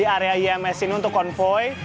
area ims ini untuk konvoy